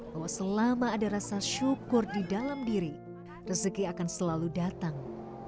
bahwa selama ada rasa syukur di dalam diri rezeki akan selalu datang